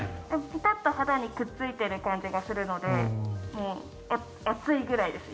ピタッと肌にくっついてる感じがするので暑いくらいです。